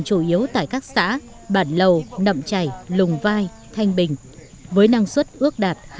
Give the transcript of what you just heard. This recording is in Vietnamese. chủ yếu tại các xã bản lầu nậm chảy lùng vai thanh bình với năng suất ước đạt hai mươi tấn một ha